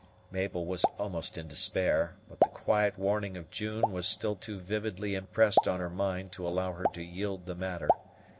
Mabel was almost in despair; but the quiet warning of June was still too vividly impressed on her mind to allow her to yield the matter.